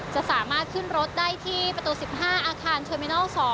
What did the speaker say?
จะสามารถขึ้นรถได้ที่ประตู๑๕อาคารเทอร์มินัล๒